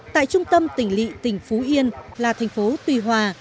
tại trung tâm tỉnh lị tỉnh phú yên là thành phố tuy hòa